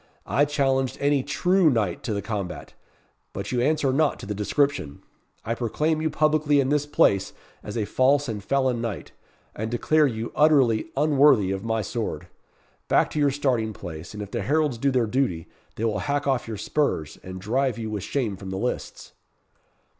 I challenged any true knight to the combat, but you answer not to the description. I proclaim you publicly in this place as a false and felon knight, and declare you utterly unworthy of my sword. Back to your starting place, and if the heralds do their duty, they will hack off your spurs, and drive you with shame from the lists."